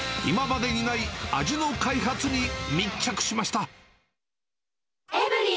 今までにない味の開発に密着しました。